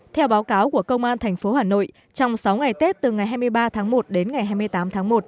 theo báo cáo của công an tp hà nội trong sáu ngày tết từ ngày hai mươi ba tháng một đến ngày hai mươi tám tháng một